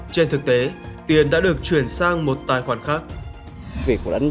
trên thực tế tiền đã được chuyển sang một tài khoản khác